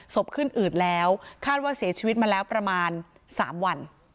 ขึ้นอืดแล้วคาดว่าเสียชีวิตมาแล้วประมาณ๓วัน